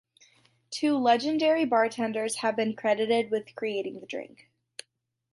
Two legendary bartenders have been credited with creating the drink.